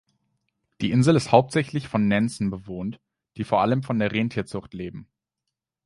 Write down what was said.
Die Insel ist hauptsächlich von Nenzen bewohnt, die vor allem von der Rentierzucht leben.